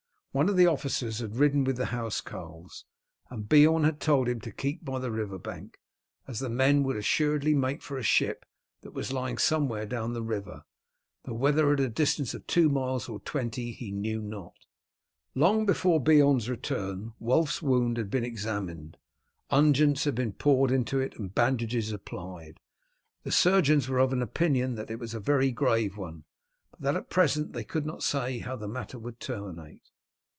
One of the officers had ridden with the housecarls, and Beorn had told him to keep by the river bank, as the men would assuredly make for a ship that was lying somewhere down the river, though whether at a distance of two miles or of twenty he knew not. Long before Beorn's return Wulf's wound had been examined. Unguents had been poured into it and bandages applied. The surgeons were of opinion that it was a very grave one, but that at present they could not say how the matter would terminate.